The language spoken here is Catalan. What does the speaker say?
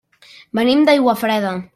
Venim d'Aiguafreda.